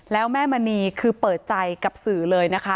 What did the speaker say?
แล้วแม่มณีคือเปิดใจกับสื่อเลยนะคะ